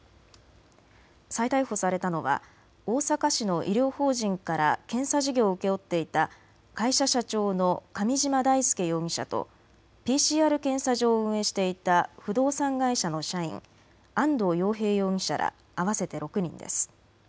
再逮捕されたのは大阪市の医療法人から検査事業を請け負っていた会社社長の上嶋大輔容疑者とＰＣＲ検査場を運営していた不動産会社の社員、安藤陽平容疑者ら合わせて６人です。